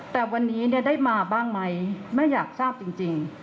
แต่วันนี้ได้มาบ้างไหมแม่อยากทราบจริง